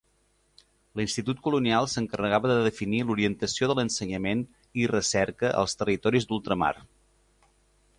L'Institut Colonial s'encarregava de definir l'orientació de l'ensenyament i recerca als territoris d'ultramar.